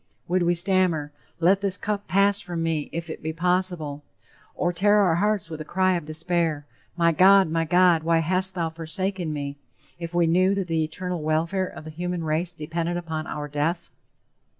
Would we stammer, "Let this cup pass from me, if it be possible," or tear our hearts with a cry of despair: "My God, my God, why hast thou forsaken me," if we knew that the eternal welfare of the human race depended upon our death?